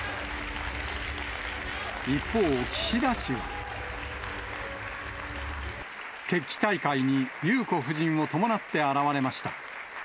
一方、岸田氏は。決起大会に裕子夫人を伴って現れました。